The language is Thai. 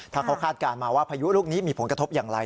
ถ้าเขาคาดการณ์มาว่าพายุลูกนี้มีผลกระทบอย่างไร